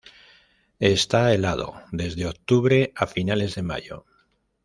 Está helado desde octubre a finales de mayo.